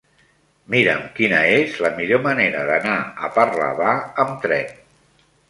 Mira'm quina és la millor manera d'anar a Parlavà amb tren.